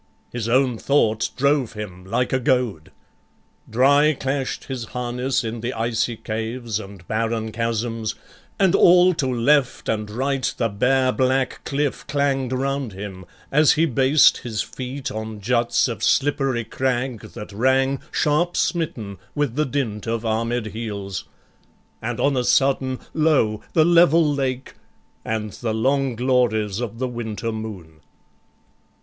His own thought drove him like a goad. Dry clash'd his harness in the icy caves And barren chasms, and all to left and right The bare black cliff clang'd round him, as he based His feet on juts of slippery crag that rang Sharp smitten with the dint of armed heels And on a sudden, lo! the level lake, And the long glories of the winter moon.